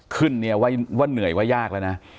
ขึ้นเนี่ยว่าเหนื่อยว่ายากแล้วนะ